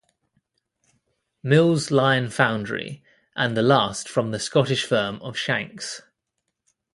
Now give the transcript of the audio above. Mills Lion Foundry, and the last from the Scottish firm of Shanks.